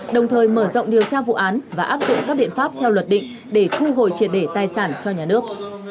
đồng thời mở rộng điều tra vụ án và áp dụng các biện pháp theo luật định để thu hồi triệt để tài sản cho nhà nước